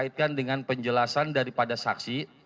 saya dikaitkan dengan penjelasan daripada saksi